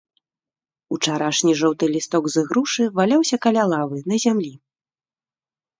Учарашні жоўты лісток з ігрушы валяўся каля лавы, на зямлі.